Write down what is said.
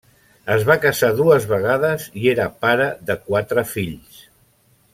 Es va casar dues vegades i era pare de quatre fills.